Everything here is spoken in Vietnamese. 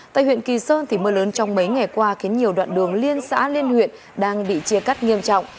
tại huyện kỳ sơn mưa lớn trong mấy ngày qua khiến nhiều đoạn đường liên xã liên huyện đang bị chia cắt nghiêm trọng